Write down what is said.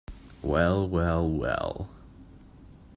Well, well, well!